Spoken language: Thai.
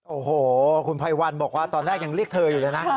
โอ้โหคุณภัยวันบอกว่าตอนแรกยังเรียกเธออยู่เลยนะ